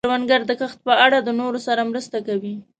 کروندګر د کښت په اړه د نورو سره مرسته کوي